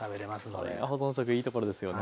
それが保存食いいところですよね。